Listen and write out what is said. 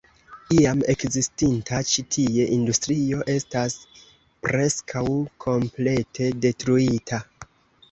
Iam ekzistinta ĉi tie industrio estas preskaŭ komplete detruita.